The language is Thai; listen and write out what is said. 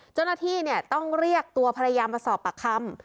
เจ้าหน้าที่ต้องเรียกตัวภรรยามาสอบปากคำ